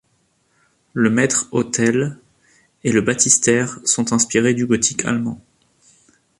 Le maître-autel et le baptistère sont inspirés du gothique allemand.